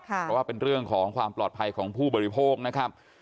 เพราะว่าเป็นเรื่องของความปลอดภัยของผู้บริโภคนะครับ